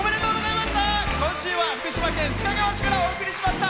今週は福島県須賀川市からお送りしました。